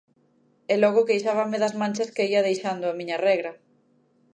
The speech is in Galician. E logo queixábame das manchas que ía deixando a miña regra.